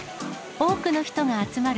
多くの人が集まる